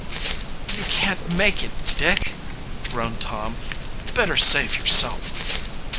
"You can't make it, Dick," groaned Tom. "Better save yourself."